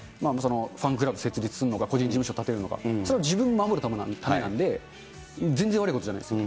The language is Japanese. ファンクラブ設立するのか、個人事務所立てるのか、それは自分を守るためなので、全然悪いことじゃないです。